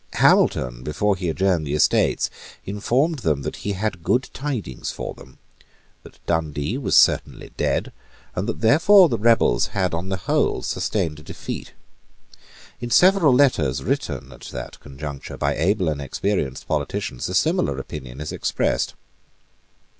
Hamilton, before he adjourned the Estates, informed them that he had good tidings for them; that Dundee was certainly dead; and that therefore the rebels had on the whole sustained a defeat. In several letters written at that conjuncture by able and experienced politicians a similar opinion is expressed.